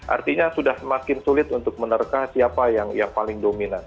artinya sudah semakin sulit untuk menerka siapa yang paling dominan